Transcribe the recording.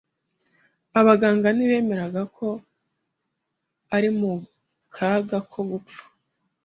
Abaganga ntibemeraga ko ari mu kaga ko gupfa.